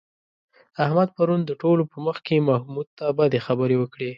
احمد پرون د ټولو په مخ کې محمود ته بدې خبرې وکړې.